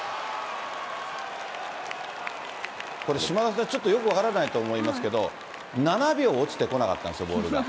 これ、島田さん、よく分からないと思いますけど、７秒落ちてこなかったんですよ、ボールが。